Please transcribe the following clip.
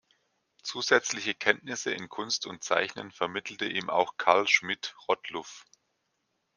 Zusätzliche Kenntnisse in Kunst und Zeichnen vermittelte ihm auch Karl Schmidt-Rottluff.